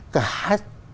cả chiến tranh